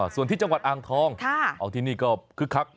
ส่วนที่จังหวัดอ่างทองที่นี่ก็คึกคัก